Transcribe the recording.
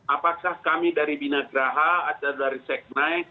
apakah kami dari binagraha atau dari seknai